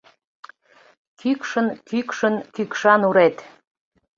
Кӱкшын-кӱкшын кӱкша нурет